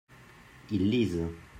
ils lisent.